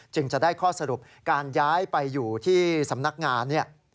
จะได้ข้อสรุปการย้ายไปอยู่ที่สำนักงานเนี่ย